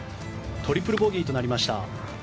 トリプルボギーとなりました。